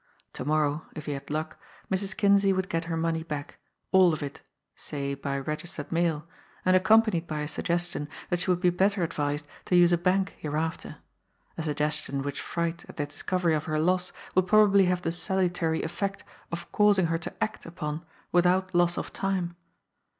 To morrow, if he had luck, Mrs. Kinsey would get her money back, all of it, say by registered mail, and ac companied by a suggestion that she would be better advised to use a bank hereafter; a suggestion which fright at the discovery of her loss would probably have the salutary effect of causing her to act upon without loss of time!